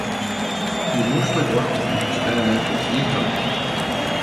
He mostly worked in experimental theater.